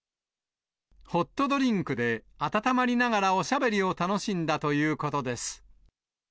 ホットドリンクで温まりながらおしゃべりを楽しんだということです。